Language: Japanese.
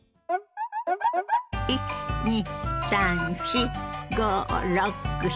１２３４５６７８。